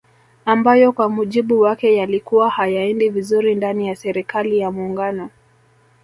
Ambayo kwa mujibu wake yalikuwa hayaendi vizuri ndani ya serikali ya Muungano